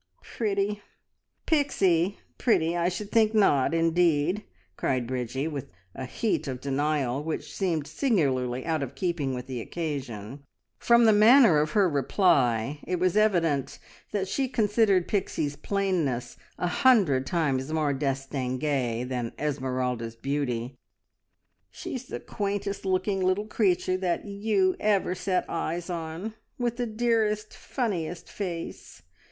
"Pretty Pixie pretty! I should think not, indeed!" cried Bridgie, with a heat of denial which seemed singularly out of keeping with the occasion. From the manner of her reply it was evident that she considered Pixie's plainness a hundred times more distingue than Esmeralda's beauty. "She's the quaintest looking little creature that ever you set eyes on, with the dearest, funniest face!